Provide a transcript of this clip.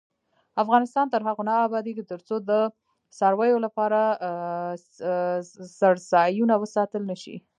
افغانستان تر هغو نه ابادیږي، ترڅو د څارویو لپاره څړځایونه وساتل نشي.